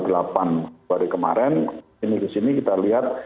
hari kemarin ini disini kita lihat